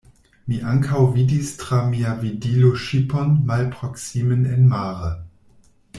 Mi ankaŭ vidis tra mia vidilo ŝipon malproksimen enmare.